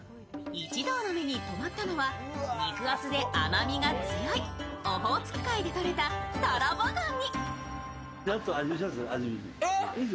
一同の目に止まったのは、肉厚で甘みが強いオホーツク海でとれたたらばがに。